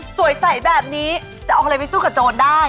สวยใสแบบนี้จะออกทางไปสู้กับโจทย์ได้